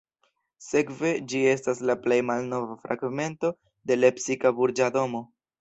Sekve ĝi estas la plej malnova fragmento de lepsika burĝa domo.